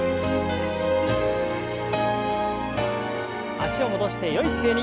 脚を戻してよい姿勢に。